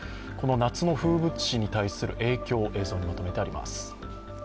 夏の風物詩に対する影響映像にまとめてあります。